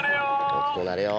大きくなれよ。